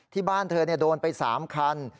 ที่บ้านเธอโดนไป๓คัน